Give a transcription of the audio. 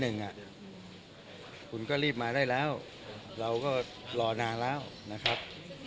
แต่ตอนนี้คุณหนีคุณหนีไปตั้งแต่ตี๑คุณก็รีบมาได้แล้วเราก็รอนานแล้วนะครับ